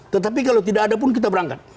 tetapi kalau tidak ada pun kita berangkat